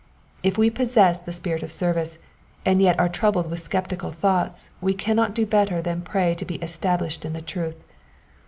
If we possess the spirit of service, and yet are troubled with sceptical thoughts we cannot do better than pray to be established in the truth.